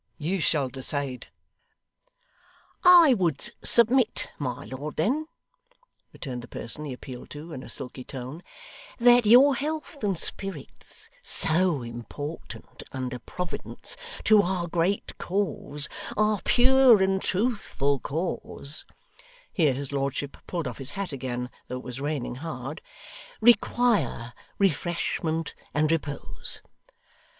You shall decide.' 'I would submit, my lord, then,' returned the person he appealed to, in a silky tone, 'that your health and spirits so important, under Providence, to our great cause, our pure and truthful cause' here his lordship pulled off his hat again, though it was raining hard 'require refreshment and repose.